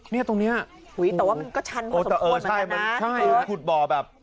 เนี่ยตรงนี้โอ้โฮโอ๊ยแต่ว่ามันก็ชันพอสมควรเหมือนกันนะเออใช่หุดบ่อแบบ